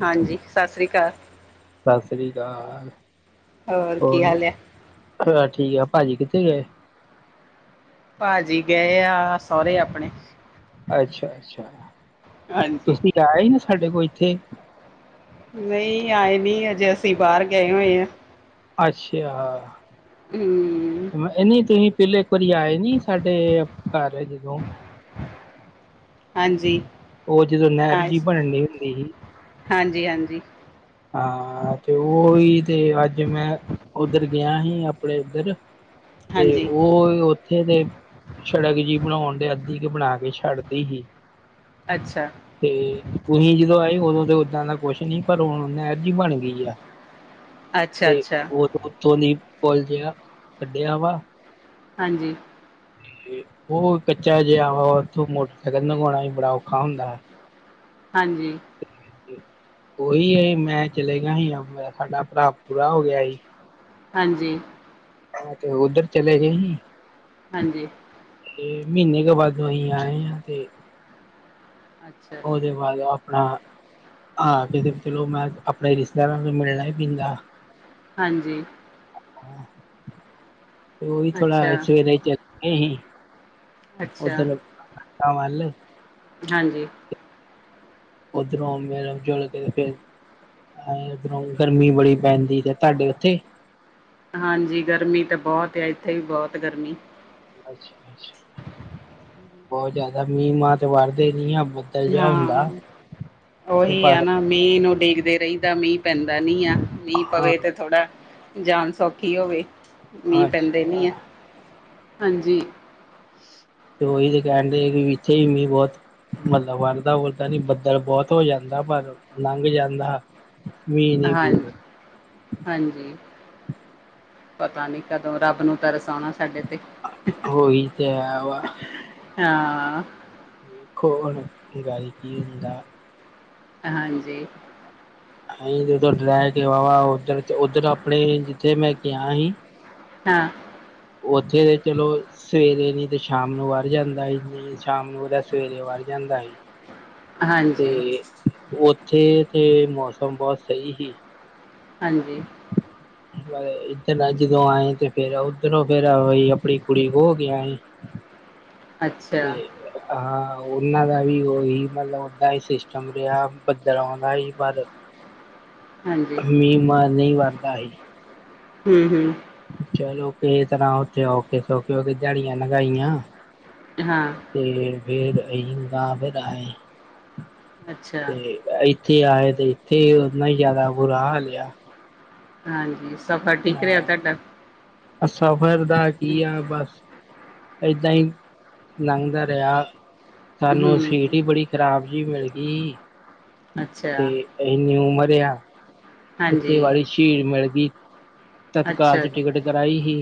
ਹਾਂਜੀ ਸਸ੍ਰੀ ਅਕਾਲ ਸਸ੍ਰੀ ਅਕਾਲ ਹੋਰ ਕੀ ਹਾਲ ਐ ਹਾਂ ਠੀਕ ਐ, ਭਾਜ਼ੀ ਕਿੱਥੇ ਗਏ ਭਾਜੀ ਗਏ ਆ ਸਹੁਰੇ ਆਪਣੇ ਅੱਛਾ- ਅੱਛਾ ਹਾਂਜੀ ਤੁਸੀਂ ਆਏ ਹੀ ਨਾ ਸਾਡੇ ਕੋਲ ਇੱਥੇ ਨਹੀ ਆਏ ਨੀ, ਅਜੇ ਅਸੀ ਬਾਹਰ ਗਏ ਹੋਏ ਆਂ ਅੱਸ਼ੇਆ। ਊ [unintelligible] ਏਨੀ ਤੁਸੀਂ ਪੈਲੇ ਇੱਕ ਵਾਰੀਂ ਆਏ ਨੀ ਸਾਡੇ ਘਰ ਜਦੋਂ ਹਾਂਜੀ। ਓ ਜਦੋਂ ਨਹਿਰ ਜੀ ਬਣਨੀ ਹੁੰਦੀ ਹੀ। ਹਾਂਜੀ-ਹਾਂਜੀ ਹਾਂ ਤੇ ਓਈ ਤੇ ਅੱਜ ਮੈਂ ਉੱਧਰ ਗਿਆ ਹੀ ਆਪਣੇ ਉੱਧਰ ਤੇ ਹਾਂਜੀ ਓ ਥੇ ਤੇ ਸੜਕ ਜੀ ਬਣਾਉਣ ਡੇ ਅੱਧੀ ਕ ਬਣਾ ਕੇ ਛੱਡਤੀ ਹੀ। ਅੱਛਾ। ਤੇ ਤੁਸੀਂ ਜਦੋਂ ਆਏ ਉਦੋਂ ਤੇ ਓਦਾਂ ਦਾ ਕੁਛ ਨੀ ਪਰ ਹੁਣ ਨਹਿਰ ਜੀ ਬਣ ਗਈ ਆ ਅੱਛਾ ਤੇ ਅੱਛਾ [unintelligible] ਓਥੋਂ ਦੀ ਪੁੱਲ ਜਾ ਕੱਢਿਆ ਵਾ ਹਾਂਜੀ। ਓ ਕੱਚਾ ਜਿਆ ਉਥੋਂ ਮੋਟਰਸਾਈਕਲ ਨਗਵਾਣਾ ਈ ਬੜਾ ਔਖਾ ਹੁੰਦਾ। ਹਾਂਜੀ। ਓਹੀ ਐ ਮੈਂ ਚਲ ਗਿਆ ਹੀ ਸਾਡਾ ਭਰਾ ਪੂਰਾ ਹੋ ਗਿਆ ਹੀ। ਹਾਂਜੀ। ਆ ਤੇ ਓਧਰ ਚਲੇ ਗਏ ਹੀ। ਹਾਂਜੀ। ਤੇ ਮੀਨੇ ਕ ਬਾਦੋਂ ਅਸੀਂ ਆਏ ਹਾਂ ਤੇ ਅੱਛਾ। ਓਦੇ ਬਾਦ ਆਪਣਾ ਹਾਂ ਕਿਤੇ ਤੇ ਚਲੋ ਮੈਂ ਆਪਣੇ ਰਿਸ਼ਤੇਦਾਰਾਂ ਨੂੰ ਮਿਲਣਾ ਹੀ ਪੀਂਦਾ। ਹਾਂਜੀ। ਤੇ ਓਹੀ ਅੱਛਾ ਥੋੜਾ ਸਵੇਰੇ ਈ ਚਕੇ ਹੀ। ਅੱਛਾ ਓਧਲ [unintelligible] ਵੱਲ ਹਾਂਜੀ। ਓਧਰੋਂ ਮੇਲ ਜੁਲ ਕੇ ਤੇ ਫੇਰ ਹਾਏ ਉਧਰੋਂ ਗਰਮੀ ਬੜੀ ਪੈਂਦੀ ਤੇ ਤੁਹਾਡੇ ਉੱਥੇ ਹਾਂਜੀ ਗਰਮੀ ਤਾਂ ਬੋਤ ਆ ਇੱਥੇ ਵੀ ਬੋਤ ਗਰਮੀ ਅੱਛਾ-ਅੱਛਾ ਬੋਤ ਜਾਦਾ ਮੀਂਹ ਮਾ ਤੇ ਵਾਰਦੇ ਨੀ ਆ ਬੋ ਹਾਂ ਓਹੀ ਆ ਪਰ ਨਾ ਮੀਂਹ ਨੂੰ ਡਿੱਗਦੇ ਰਈਦਾ ਮੀਂਹ ਪੈਂਦਾ ਨੀ ਆ ਮੀਂਹ ਹਾਂ ਪਵੇ ਤੇ ਥੋੜਾ ਜਾਨ ਸੌਖੀ ਹੋਵੇ ਮੀਂਹ ਪੈਂਦੇ ਨੀ ਅੱਛਾ ਆ ਹਾਂਜੀ [inaudible] ਤੇ ਓਹੀ ਤੇ ਕੈਂਡੇ ਵੀ ਇੱਥੇ ਵੀ ਮੀਹ ਬੋਤ ਮਤਲਬ ਵੜਦਾ ਉਰਦਾ ਨੀ ਬੱਦਲ ਬੋਤ ਹੋ ਜਾਂਦਾ ਪਰ ਲੰਘ ਜਾਂਦਾ। ਮੀਂਹ ਨੀ ਹਾਂਜੀ। ਪੈਂਦਾ ਹਾਂਜੀ ਪਤਾ ਨੀ ਕਦੋਂ ਰੱਬ ਨੂੰ ਤਰਸ ਓਣਾ ਸਾਡੇ ਤੇ ਉਹੀ ਤੇ ਹੈ ਵਾ ਹਾਂ ਵੇਖੋ ਹੁਣ ਗਾਰੀ ਕੀ ਹੁੰਦਾ ਹਾਂਜੀ। ਅਹੀ ਤੇ [unintelligible] ਓਧਰ ਤੇ ਓਧਰ ਆਪਣੇ ਜਿੱਥੇ ਮੈਂ ਕਿਆ ਹੀ ਹਾਂ ਓਥੇ ਤੇ ਚਲੋ ਸਵੇਰੇ ਨੀ ਤੇ ਸ਼ਾਮ ਨੂੰ ਵਰ ਜਾਂਦਾ [unintelligible] ਸ਼ਾਮ ਨੂੰ ਓਦਾ ਸਵੇਰੇ ਵਾਰ ਜਾਂਦਾ ਏ। ਤੇ ਹਾਂਜੀ ਓਥੇ ਤੇ ਮੌਸਮ ਬੋਤ ਸਈ ਸੀ। ਹਾਂਜੀ। ਬ ਇਧਰ ਨਾ ਜਦੋਂ ਆਏ ਤੇ ਫੇਰ ਓਧਰੋਂ ਫੇਰ [unintelligible] ਆਪਣੀ ਕੁੜੀ ਖੋ ਕੇ ਆਏ। ਅੱਛਾ। ਹਾਂ ਓਨਾਂ ਦਾ ਵੀ ਓਹੀ ਮਤਲਬ ਓਦਾਂ ਈ ਸਿਸਟਮ ਰਿਆ ਬੱਦਲ ਔਨਦਾ ਹੀ ਪਰ ਹਾਂਜੀ ਮੀ ਮਾ ਨਹੀਂ ਵਾਰਦਾ ਹੀ। ਹੂੰ-ਹੂੰ ਚਲੋ ਕਿਸ ਤਰ੍ਹਾਂ ਓਥੇ ਓਖੇ ਸੋਕੇ ਹੋਕੇ ਦਿਆ ਮੜੀਆਂ ਲੰਗਾਈਆਂ। ਹਾਂ ਤੇ ਵੇਰ ਅਹੀ ਗਾਭਰਏ ਅੱਛਾ ਤੇ ਏਥੇ ਆਏ ਤੇ ਏਥੇ ਓਨਾ ਈ ਜਾਦਾ ਬੁਰਾ ਹਾਲ ਆ। ਹਾਂਜੀ ਸਫ਼ਰ ਠੀਕ ਰਿਆ ਤੁਹਾਡਾ? ਅ ਸਫ਼ਰ ਦਾ ਕੀ ਆ ਬਸ ਏਦਾਂ ਈ ਲੰਘਦਾ ਰਿਆ ਸਾਨੂੰ ਹੂੰ ਸੀਟ ਈ ਬੜੀ ਖ਼ਰਾਬ ਜੀ ਮਿਲਗੀ ਤੇ ਅੱਛਾ ਏਨੀ ਉਮਰ ਆ ਉੱਤੇ ਹਾਂਜੀ ਵਾਲੀ ਸ਼ੀਰ ਮਿਲਗੀ ਤਤਕਾਲ ਅੱਛਾ ਚ ਜੀ ਟਿਕਟ ਕਰਾਈ ਹੀ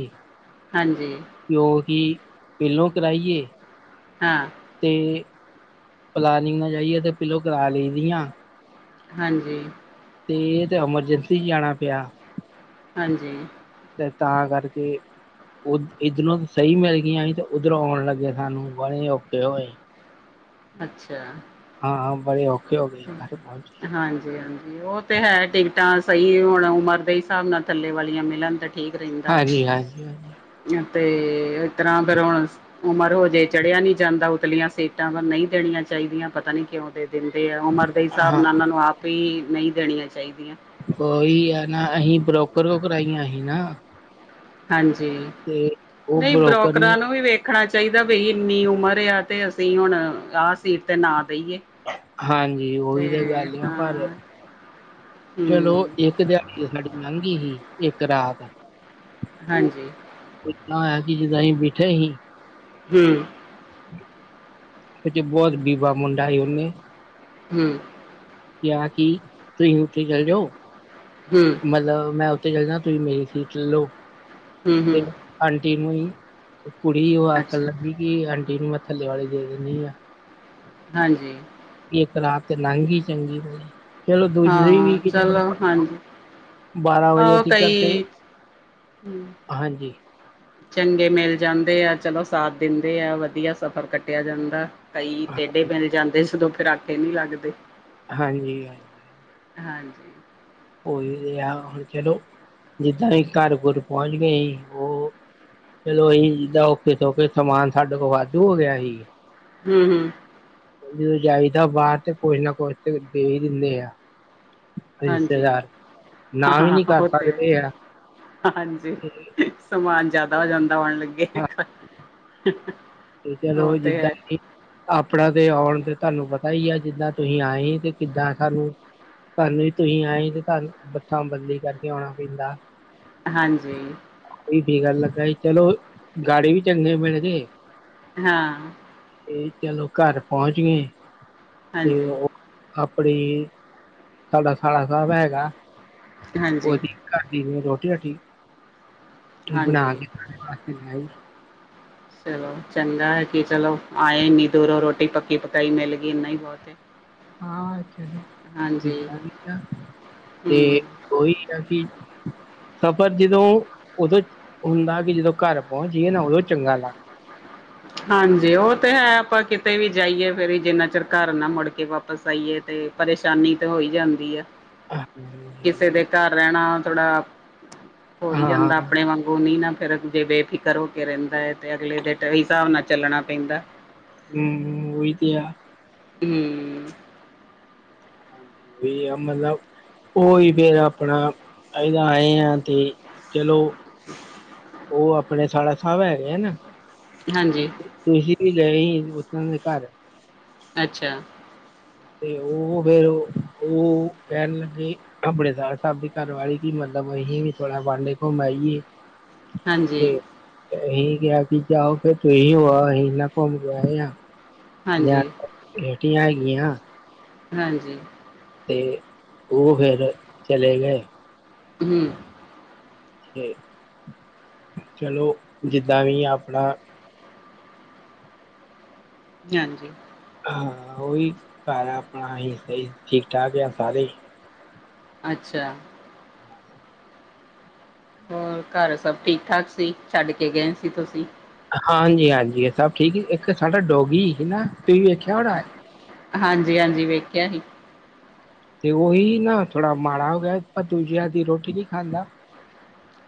ਹਾਂਜੀ [unintelligible] ਕੀ ਪੇਲੋਂ ਕਰਾਈਏ ਹਾਂ। ਤੇ ਪਲਾਨਿੰਗ ਨਾ ਜਾਈਏ ਤੇ ਪੀਲੋ ਕਰਾ ਲਈ ਦੀਆ। ਹਾਂਜੀ। ਤੇ ਏ ਤਾਂ ਐਮਰਜੈਂਸੀ ਜਾਣਾ ਪਿਆ। ਹਾਂਜੀ। ਤੇ ਤਾਂ ਕਰਕੇ ਓ ਇੱਧਰੋਂ ਸਈ ਮਿਲ ਗਈਆਂ ਸੀ ਤੇ ਉੱਧਰੋਂ ਓਣ ਲੱਗੇ ਸਾਨੂੰ ਬਾਲੇ ਔਖੇ ਹੋਏ। ਅੱਛਾ ਹਾਂ ਬੜੇ ਔਖੇ ਹੋ ਗਏ ਘਰ ਪਹੁੰਚੇ ਹਾਂਜੀ-ਹਾਂਜੀ ਓ ਤੇ ਹੈ ਟਿਕਟਾਂ ਸਈ ਹੁਣ ਉਮਰ ਦੇ ਹਿਸਾਬ ਨਾਲ ਥੱਲੇ ਵਾਲੀਆਂ ਮਿਲਣ ਤੇ ਠੀਕ ਰੈਂਦਾ ਹਾਂਜੀ ਹਾਂਜੀ ਹਾਂਜੀ। ਤੇ ਇਤਰ੍ਹਾਂ ਫੇਰ ਹੁਣ ਉਮਰ ਹੋਜੇ ਚੜਿਆ ਨੀ ਜਾਂਦਾ ਉਤਲੀਆਂ ਸੀਟਾਂ ਪਰ ਨਈ ਦੇਣੀਆਂ ਚਾਈਦੀਆਂ ਪਤਾ ਨੀ ਕਿਉਂ ਦੇ ਦਿੰਦੇ ਆ ਉਮਰ ਦੇ ਹਿਸਾਬ ਨਾ-ਨਾ ਹਾਂ ਉਨਾਂ ਨੂੰ ਆਪ ਈ ਨਈ ਦੇਣੀਆਂ ਚਾਈਦੀਆਂ। ਕੋਈ ਆ ਨਾ ਅਸੀਂ ਬਰੋਕਰ [unintelligible] ਕਰਾਈਆਂ ਹੀ ਨਾ। ਹਾਂਜੀ ਤੇ ਉਹ ਨਈ ਬਰੋਕਰ ਨੇ ਬਰੋਕਰਾਂ ਨੂੰ ਵੀ ਵੇ ਖਣਾ ਚਾਈਦਾ ਵੀ ਇੰਨੀ ਉਮਰ ਆ ਤੇ ਅਸੀਂ ਹੁਣ ਆ ਸੀਟ ਤੇ ਨਾ ਦੇਈਏ। ਹਾਂਜੀ ਓਹੀ ਤੇ ਤਾਂ ਗੱਲ ਆ ਪਰ ਹਾਂ ਚਲੋ ਹੂੰ ਇੱਕ ਇੱਕ ਦਿਹਾੜੀ ਸਾਡੀ ਲੰਘੀ ਸੀ ਇੱਕ ਰਾਤ ਹਾਂਜੀ। ਪੁੱਛਣਾ ਹੋਇਆ ਕੀ ਜਿੱਦਾਂ ਅਸੀਂ ਬੈਠੇ ਹੀ ਹੂੰ। ਵਿਚੇ ਬੋਤ ਬੀਬਾ ਮੁੰਡਾ ਸੀ ਉਨੇ ਹੂੰ। ਕਿਆ ਕੀ ਤੁਸੀਂ ਓਥੇ ਚੱਲਜੋ ਹੂਏ। ਮਤਲਬ ਮੈਂ ਉੱਥੇ ਚਲ ਜਾ, ਤੁਸੀਂ ਮੇਰੀ ਸੀਟ ਲੱਲੋ ਹੂੰ, ਤੇ ਹੂੰ, ਅੰਟੀ ਨੂੰ ਹੀ ਕੁੜੀ ਉਹ ਆਖਣ ਅੱਛਾ, ਲੱਗੀ ਕਿ ਅੰਟੀ ਨੂੰ ਮੈਂ ਥੱਲੇ ਵਾਲੀ ਦੇ ਦਿੰਨੀ ਆ। ਹਾਂਜੀ। ਇੱਕ ਰਾਤ ਤੇ ਲੰਘ ਗਈ ਚੰਗੀ ਭਲੀ। ਚਲੋ ਦੂਜੀ ਵੀ ਹਾਂ, ਕਿ ਚਲੋ ਹਾਂਜੀ, [inaudible] ਬਾਰਾਂ ਵਜੇ ਉਹ ਤੀਕਰ ਕਈ ਤੇ ਹਮ, ਹਾਂਜੀ। ਚੰਗੇ ਮਿਲ ਜਾਂਦੇ ਆ, ਚਲੋ ਸਾਥ ਦਿੰਦੇ ਆ, ਵਧੀਆ ਸਫ਼ਰ ਕੱਟਿਆ ਜਾਂਦਾ। ਕਈ ਟੇਡੇ ਹਾਂਜੀ, ਮਿਲ ਜਾਂਦੇ ਸਗੋਂ ਫੇਰ ਆਖੇ ਨਹੀਂ ਲੱਗਦੇ। ਹਾਂਜੀ। ਹਾਂਜੀ। ਉਹੀ ਆ ਹੁਣ ਚਲੋ ਜਿੱਦਾਂ ਵੀ ਘਰ ਘੁਰ ਪਹੁੰਚ ਗਏ ਸੀ ਉਹ ਚਲੋ ਅਸੀ ਜਿੱਦਾਂ ਔਖੇ ਸੋਖੇ ਸਮਾਨ ਸਾਡੇ ਕੋਲ ਵਾਧੂ ਹੋ ਗਿਆ ਸੀ। ਹੂੰ ਹੂੰ। ਜਦੋਂ ਜਾਈਦਾ ਬਾਹਰ ਤੇ ਕੁਛ ਨਾ ਕੁਛ ਤੇ ਦੇ ਹੀ ਦਿੰਦੇ ਆ। ਹਾਂਜੀ ਰਿਸ਼ਤੇਦਾਰ। ਨਾ ਵੀ ਹਾਂ ਨੀ ਕਰ ਉਹ ਤੇ ਸਕਦੇ ਆ ਹਾਂਜੀ। ਤੇ ਸਮਾਨ ਜਿਆਦਾ ਹੋ ਜਾਂਦਾ ਆਉਣ ਲੱਗੇ। ਹਾਂ ਤੇ ਉਹ ਚਲੋ ਤੇ ਜਿੱਦਾ ਹੈ, ਹੀ ਆਪਣਾ ਤੇ ਆਉਣ ਤੇ ਤੁਹਾਨੂੰ ਪਤਾ ਹੀ ਆ ਜਿੱਦਾ ਤੁਸੀਂ ਆਏ ਤੇ ਕਿੱਦਾ ਸਾਨੂੰ ਧੰਨ ਹੀ ਤੁਸੀਂ ਆਏ ਤੇ ਤੁਹਾਨੂੰ ਬੱਸਾ ਬਦਲੀ ਕਰਕੇ ਆਉਣਾ ਪੈਂਦਾ। ਹਾਂਜੀ। ਓਹੀ ਫਿਕਰ ਲੱਗਾ ਹੀ ਚਲੋ ਗਾੜੀ ਵੀ ਚੰਗੇ ਮਿਲ ਗਏ। ਹਾਂ। ਏ ਚਲੋ ਘਰ ਪਹੁੰਚ ਗਏ ਤੇ ਹਾਂਜੀ, ਉਹ ਆਪਣੀ ਸਾਡਾ ਸਾਲਾ ਸਾਹਿਬ ਹੈਗਾ। ਹਾਂਜੀ, ਉਹਦੀ ਘਰਦੀ ਨੇ ਰੋਟੀ ਰੋਟੀ ਬਣਾ ਹਾਂਜੀ। ਕੇ ਸਾਡੇ ਵਾਸਤੇ ਲਿਆਈ। ਚਲੋ ਚੰਗਾ ਐ ਕਿ ਚਲੋ ਆਏ ਇੰਨੀ ਦੂਰੋਂ ਰੋਟੀ ਪੱਕੀ ਪਕਾਈ ਮਿਲ ਗਈ ਏਨਾ ਹੀ ਬਹੁਤ ਏ। ਹਾਂ ਚਲੋ ਜਿੱਦਾਂ ਵੀ ਆ, ਹੂੰ ਤੇ ਓਹੀ ਆ ਕੀ ਸਫ਼ਰ ਜਦੋਂ ਉਦੋਂ ਹੁੰਦਾ ਕਿ ਜਦੋਂ ਘਰ ਪਹੁੰਚ ਜਾਈਏ ਨਾ ਉਦੋਂ ਚੰਗਾ ਲੱਗਦਾ। ਹਾਂਜੀ ਉਹ ਤੇ ਹੈ ਆਪਾਂ ਕਿਤੇ ਵੀ ਜਾਈਏ ਫੇਰ ਵੀ ਜਿੰਨਾ ਚਿਰ ਘਰ ਨਾ ਮੁੜ ਕੇ ਵਾਪਸ ਆਈਏ ਤੇ ਪਰੇਸ਼ਾਨੀ ਤੇ ਹੋਈ ਜਾਂਦੀ ਆ। ਹਾਂਜੀ। ਕਿਸੇ ਦੇ ਘਰ ਰਹਿਣਾ ਥੋੜਾ, ਹੋਈ ਹਾਂ ਜਾਂਦਾ ਆਪਣੇ ਵਾਂਗੂੰ ਨੀ ਨਾ। ਫਿਰ ਜੇ ਬੇਫ਼ਿਕਰ ਹੋ ਕੇ ਰਹਿੰਦਾ ਐ ਤੇ ਅਗਲੇ ਦੇ ਹਿਸਾਬ ਨਾਲ ਚੱਲਣਾ ਪੈਂਦਾ। ਹੂੰ ਓਹੀ ਤੇ ਆ। ਹੂੰ। ਹਾਂਜੀ, ਉਹੀ ਆ ਮਤਲਬ ਉਹੀ ਫੇਰ ਆਪਣਾ ਏਦਾਂ ਆਏ ਆ ਤੇ ਚਲੋ ਓ ਆਪਣੇ ਸਾਲਾ ਸਾਹਿਬ ਹੈਗੇ ਆ ਨਾ। ਹਾਂਜੀ। ਤੁਸੀਂ ਤੇ ਗਏ ਸੀ ਉਹਨਾਂ ਦੇ ਘਰ। ਅੱਛਾ। ਤੇ ਉਹ ਫੇਰ ਉਹ ਕਹਿਣ ਲੱਗੇ ਆਪਣੇ ਸਾਲਾ ਸਾਹਿਬ ਦੀ ਘਰਵਾਲੀ ਕੀ ਮਤਲਬ ਅਸੀਂ ਵੀ ਥੋੜ੍ਹਾ ਵਾਂਢੇ ਘੁੰਮ ਆਈਏ। ਹਾਂਜੀ ਤੇ ਅਹੀ ਕਿਹਾ ਕਿ ਜਾਓ ਫਿਰ ਤੁਹੀ ਹੋ ਆਉ ਅਹੀ ਏਨਾ ਘੁੰਮ ਕੇ ਆਏ ਆ। ਹਾਂਜੀ ਰੇਟੀ ਆਏਗੀ ਹ [unintelligible] ਹਾਂਜੀ। ਤੇ ਉਹ ਫੇਿਰ ਚਲੇ ਗਏ। ਹਮ। ਤੇ ਚਲੋ ਜਿੱਦਾਂ ਵੀ ਆਪਣਾ। ਹਾਂਜੀ। ਹਾਂ ਉਹੀ ਘਰ ਆ ਆਪਣਾ ਅਸੀ ਸਹੀ ਠੀਕ ਠਾਕ ਆ ਸਾਰੇ ਹੀ। ਅੱਛਾ। ਹੋਰ ਘਰ ਸਭ ਠੀਕ ਠਾਕ ਸੀ ਛੱਡ ਕੇ ਗਏ ਸੀ ਤੁਸੀਂ। ਹਾਂਜੀ ਹਾਂਜੀ ਇਹ ਸਭ ਠੀਕ ਇੱਕ ਸਾਡਾ ਡੋਗੀ ਸੀ ਨਾ ਤੁਸੀਂ ਵੇਖਿਆ। ਹੋਣਾ ਹਾਂਜੀ ਹਾਂਜੀ ਵੇਖਿਆ ਸੀ। ਤੇ ਉਹੀ ਨਾ ਥੋੜਾ ਮਾੜਾ ਹੋ ਗਿਆ ਪਰ ਦੂਜੇ ਆ ਦੀ ਰੋਟੀ ਨਹੀਂੀ ਖਾਂਦਾ।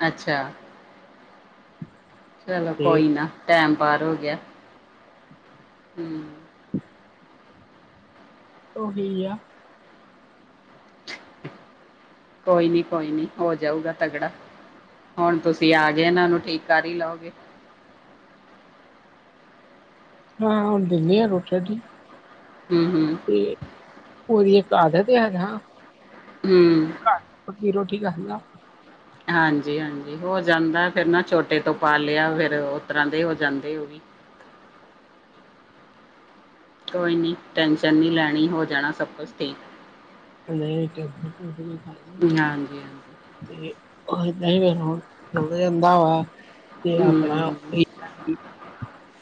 ਅੱਛਾ। ਚਲੋ ਤੇ ਕੋਈ ਨਾ ਟੈਮ ਪਾਰ ਹੋ ਗਿਆ। ਹਮ। ਉਹੀ ਆ। ਕੋਈ ਨੀ ਕੋਈ ਨੀ ਹੋ ਜਾਊਗਾ ਤਗੜਾ। ਹੁਣ ਤੁਸੀਂ ਆ ਗਏ ਇਹਨਾਂ ਨੂੰ ਠੀਕ ਕਰ ਹੀ ਲਓਗੇ। ਹਾਂ ਹੁਣ ਦਿੰਦੇ ਆਾਂ ਰੋਟੀ ਰਾਟੀ। ਹਮ ਹਮ। ਉਹਰੀ ਇੱਕ ਆਧਤ ਆ ਨਾ। ਹਮ। ੀਰੋ ਠੀਕ ਆ ਸੁ [unintelligible] ਹਾਂਜੀ-ਹਾਂਜੀ ਹੋ ਜਾਂਦਾ ਫਿਰ ਨਾ ਛੋਟੇ ਤੋਂ ਪਾ ਲਿਆ ਫਿਰ ਉਸ ਤਰਾਂ ਦੇ ਹੋ ਜਾਂਦੇ ਅੋ ਵੀ। ਕੋਈ ਨਹੀਂ ਟੈਨਸ਼ਨ ਨਹੀਂ ਲੈਣੀ ਹੋ ਜਾਣਾ ਸਭ ਕੁਛ ਠੀਕ। [unintelligible] ਹਾਂਜੀ-ਹਾਂਜੀ। ਤੇ ਏਦਾਂ ਹੀ ਫੇਿਰ ਹੁਣ ਚੱਲ ਜਾਂਦਾ ਵਾ [unintelligible] ਤੇ ਆਪਣਾ ਹਮ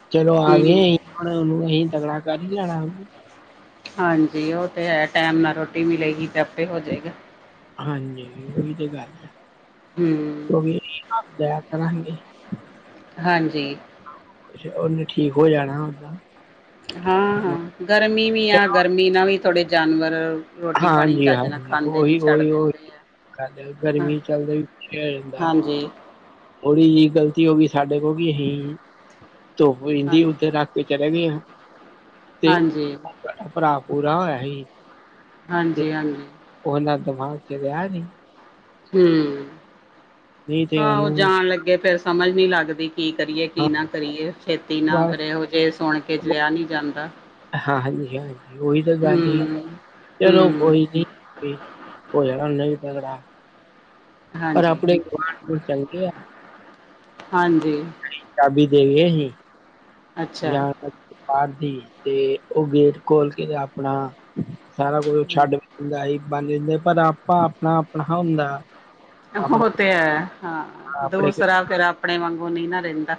ਚਲੋ ਹਮ ਆ ਹਮ ਗਏ। ਹੁਣ ਉਹਨੂੰ ਅਸੀਂ ਤਕੜਾ ਕਰ ਹੀ ਲੈਣਾ ਉਹਨੂੰ। ਹਾਂਜੀ ਉਹ ਤੇ ਹੈ ਟੈਮ ਨਾਲ ਰੋਟੀ ਮਿਲੇਗੀ ਤੇ ਆਪੇ ਹੋ ਜਾਏਗਾ। ਹਾਂਜੀ ਉਹੀ ਤੇ ਗੱਲ ਹੈ। ਹਮ। ਆਪ ਦਇਆਂ ਕਰਾਂਗੇ। ਹਾਂਜੀ। ਕੁਛ ਉਹਨੇ ਠੀਕ ਹੋ ਜਾਣਾ ਓਦਾਂ। ਹਾਂ ਗਰਮੀ ਵੀ ਆ ਗਰਮੀ ਨਾਲ ਵੀ ਥੋੜੇ ਜਾਨਵਰ। ਰੋਟੀ ਪਾਣੀ ਹਾਂਜੀ ਚਜ ਨਾਲ ਹਾਂਜੀ ਖਾਂਦੇ ਨੀ ਉਹੀ ਛੱਡ ਉਹੀ ਉਹੀ ਦਿੰਦੇ ਆ। ਗਰਮੀ ਚੱਲਦਾ ਵੀ ਹੋ ਜਾਂਦਾ [unintelligible] ਹਾਂਜੀ ਥੋੜ੍ਹੀ ਜਿਹੀ ਗ਼ਲਤੀ ਹੋ ਗਈ ਸਾਡੇ ਕੋਲ ਕੀ ਅਸੀਂ ਧੁੱਪ ਹਾਂ ਪੈੱਦੀ ਉੱਥੇ ਰੱਖ। ਤੇ ਚਲੇ ਗਈਆਂ। ਹਾਂਜੀ। ਤੁਹਾਡਾ ਭਰਾ ਪੂਰਾ ਹੋਇਆ ਸੀ। ਹਾਂਜੀ-ਹਾਂਜੀ। ਉਹਨਾਂ ਦਿਮਾਗ ਚ ਲਿਆ ਨੀ। ਹੂੰ ਨਹੀਂ ਤੇ ਆਹੋ ਉਹਨੂੰ ਜਾਣ ਲੱਗੇ ਫੇਰ ਸਮਝ ਨੀ ਲੱਗਦੀ ਕੀ ਕਰੀਏ ਕੀ ਨਾ ਕਰੀਏ, ਛੇਤੀ ਨਾ ਬਸ ਕਰਿਓ ਏਹੋ ਜੇ ਸੁਣ ਕੇ ਜਿਆ ਨੀ ਜਾਂਦਾ। ਹਾਂ ਹਾਂਜੀ ਹਾਂਜੀ ਓਈ ਤਾਂ ਗੱਲ ਈ, ਹੂੰ ਚਲੋ ਹੂੰ ਕੋਈ ਨੀ। ਵੀ ਹੋ ਜਾਣਾ ਓਨੇ ਵੀ ਤਗੜਾ। ਪਰ ਹਾਂਜੀ ਆਪਣੇ ਗਵਾਂਢ ਗਵੂੰਢ ਚੰਗੇ ਆ। ਹਾਂਜੀ। ਚਾਬੀ ਦੇ ਗੇ ਸੀ। ਅੱਛਾ ਜਾਣ ਬਾਰ ਦੀ ਤੇ ਓ ਗੇਟ ਖੋਲ ਕੇ ਤੇ ਆਪਣਾ ਸਾਰਾ ਕੁਛ ਹੂੰ ਛੱਡ ਵੀ ਦਿੰਦਾ ਲਾਈਫ ਬਣ ਜਾਂਦਾ ਪਰ ਆਪਾ ਆਪਣਾ ਆਪਣਾ ਹੁੰਦਾ। ਆਪਣੇ ਓ ਤੇ ਹੈ ਹਾਂ ਆਪਣੇ ਦੂਸਰਾ ਫੇਰ ਆਪਣੇ ਵਾਂਗੂ ਨੀ ਨਾ ਰੈਂਦਾ।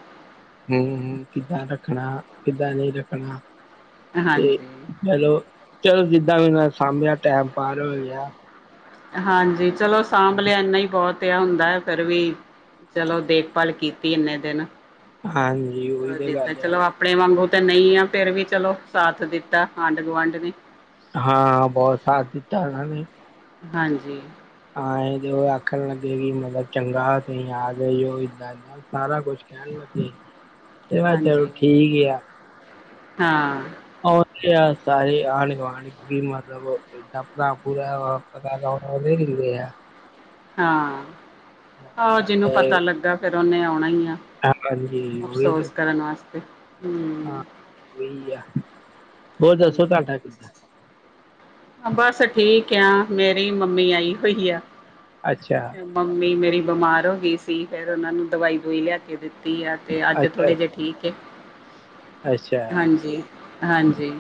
ਹੂੰ ਹੂੰ ਕਿੱਦਾਂ ਰੱਖਣਾ ਕਿੱਦਾਂ ਨਈ ਰੱਖਣਾ। ਤੇ ਹਾਂਜੀ ਚਲੋ, ਚਲੋ ਜਿੱਦਾਂ ਵੀ ਮੈਂ ਸਾਂਭਿਆ ਟੈਮ ਪਾਰ ਹੋ ਗਿਆ। ਹਾਂਜੀ ਚਲੋ ਸਾਂਭ ਲਿਆ ਏਨਾ ਈ ਬੋਤ। ਪਿਆ ਹੁੰਦਾ ਐ, ਫੇਰ ਵੀ ਚਲੋ ਦੇਖਭਾਲ ਕੀਤੀ ਏਨੇ ਦਿਨ। ਹਾਂਜੀ ਓਈ ਚਲੋ ਤੇ ਦਿੱਤਾ ਗੱਲ ਆ। ਚਲੋ ਆਪਣੇ ਵਾਂਗੂ ਤੇ ਨਈ ਆ ਫੇਰ ਵੀ ਚਲੋ ਸਾਥ ਦਿੱਤਾ ਆਂਢ ਗੁਆਂਢ ਨੇ। ਹਾਂ ਬੋਤ ਸਾਥ ਦਿੱਤਾ ਓਨਾਂ ਨੇ। ਹਾਂਜੀ। ਹਾਂ ਏ ਤੇ ਓ ਆਖਣ ਲੱਗੇ ਕੀ ਮਲਬ ਚੰਗਾ ਤੁਸੀਂ ਆ ਗਏ ਓ, ਏਦਾਂ ਏਦਾਂ। ਸਾਰਾ ਕੁਛ ਕੈਣ ਲਗੇ। ਹਾਂਜੀ- ਹਾਂ। ਓ ਤੇ ਐ ਸਾਰੇ ਆਂਢ ਗਵਾਂਢ। [unintelligible] ਹਾਂ, ਆਹੋ ਜਿਨੂੰ ਸਾਰੇ ਪਤਾ ਲੱਗਾ ਫੇਰ ਓਨੇ ਆਉਣਾ ਈ ਆ। ਹਾਂਜੀ ਉਹੀ ਅਫਸੋਸ ਤੇ ਕਰਨ ਆਸਤੇ, ਹੂੰ। ਓਈ ਆ, ਹੋਰ ਦੱਸੋ ਹਾਂਜੀ ਤਾਡਾ ਕਿੱਦਾਂ? ਬਸ ਠੀਕ ਆਂ, ਮੇਰੀ ਵੀ ਮੰਮੀ ਆਈ ਹੋਈ ਆ। ਅੱਛਾ। ਮੰਮੀ ਮੇਰੀ ਬਮਾਰ ਹੋ ਗਈ ਸੀ, ਫੇਰ ਓਨਾਂ ਨੂੰ ਦਵਾਈ ਦਵੂਈ ਲੈ ਕੇ ਦਿੱਤੀ ਆ। ਤੇ ਅੱਜ ਅੱਛਾ ਥੋੜੇ ਜੇ ਠੀ ਠੀਕ ਏ। ਅੱਛਾ, ਹਾਂਜੀ ਹਾਂਜੀ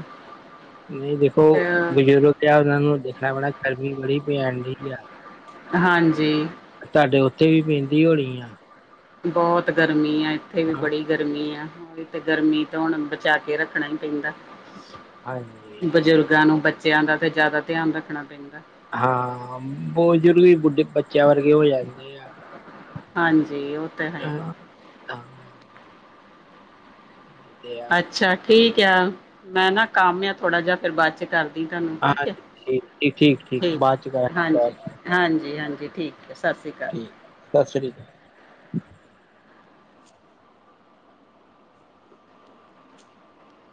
ਨਈ ਦੇਖੋ ਅ ਬਜ਼ੁਰਗ ਪਿਆ ਓਨਾ ਨੂੰ ਦੇਖਣਾ ਪੈਣਾ ਗਰਮੀ ਬੜੀ ਪੈਣ ਡਈ ਆ। ਹਾਂਜੀ। ਤਾਡੇ ਓਥੇ ਵੀ ਪੈਂਦੀ ਹੋਣੀ ਆ। ਬੋਤ ਗਰਮੀ ਆ ਏਥੇ ਵੀ ਹਾਂ ਬੜੀ ਗਰਮੀ ਆ ਓ ਤੇ ਗਰਮੀ ਤੋ ਹੁਣ ਬਚਾ ਕੇ ਰੱਖਣਾ ਈ ਪੈਂਦਾ। ਹਾਂਜੀ। ਬਜ਼ੁਰਗਾਂ ਨੂੰ ਬੱਚਿਆਂ ਦਾ ਤੇ ਜ਼ਾਦਾ ਧਿਆਨ ਰੱਖਣਾ ਪੈਂਦਾ। ਹਾਂ, ਬੋ ਜ਼ੁਰਗ ਵੀ ਬੁੱਢੇ ਬੱਚਿਆਂ ਵਰਗੇ ਹੋ ਜਾਂਦੇ ਆ। ਹਾਂਜੀ ਓ ਤਾਂ ਹੈ। ਹਾਂ ਹਾਂ ਇਹ ਤੇ ਆ। ਅੱਛਾ, ਠੀਕ ਆ, ਮੈਂ ਨਾ ਕੰਮ ਆ ਥੋੜਾ ਜਿਆ ਫੇਰ ਬਾਦ 'ਚ ਕਰਦ ਦੀ ਤਾਨੂੰ ਹਾਂ ਠੀਕ ਏ, ਠੀਕ ਠੀਕ, ਬਾਅਦ ਚ ਕਰਾਂਗੇ ਹਾਂਜੀ। ਕਾਲ ਹਾਂਜੀ, ਹਾਂਜੀ ਠੀਕ ਏ, ਸਾਸਰੀ ਕਾਲ। ਠੀਕ, ਸਾਸੜੀ ਕਾਲ।